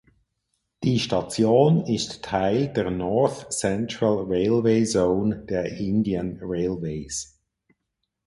Die Station ist Teil der North Central Railway Zone der Indian Railways.